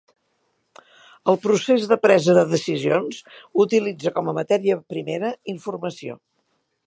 El procés de presa de decisions utilitza com a matèria primera informació.